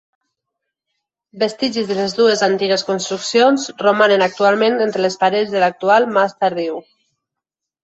Vestigis de les dues antigues construccions romanen actualment entre les parets de l'actual Mas Tardiu.